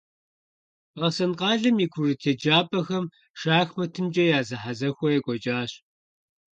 Бахъсэн къалэм и курыт еджапӀэхэм шахматымкӀэ я зэхьэзэхуэ екӀуэкӀащ.